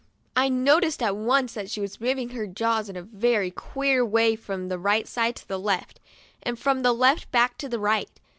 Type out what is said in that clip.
I noticed at once that she was moving her jaws in a very queer way from the right side to the left, and from the left back again to the right.